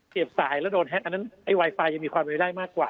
เด็บสายแล้วโดนแฮคอันนั้นไวไฟจะมีความเป็นไปได้มากกว่า